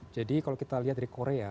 jadi kalau kita lihat dari korea